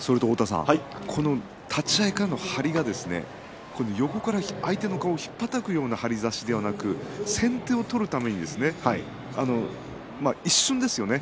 立ち合いからの張りが横から相手の顔をひっぱたくような形ではなく先手を取るために一瞬ですよね。